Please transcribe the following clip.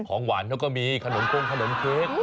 ของหวานเขาก็มีขนมกงขนมเค้ก